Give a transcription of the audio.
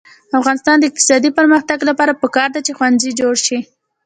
د افغانستان د اقتصادي پرمختګ لپاره پکار ده چې ښوونځي جوړ شي.